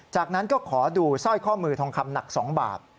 จากนั้นก็ขอดูสร้อยข้อมือทองคำหนัก๒บาท